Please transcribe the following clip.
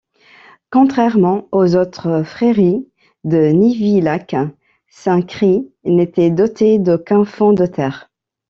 Contrairement aux autres frairies de Nivillac, Saint-Cry n'était dotée d'aucun fonds de terre.